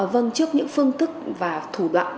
vâng trước những phương thức và thủ đoạn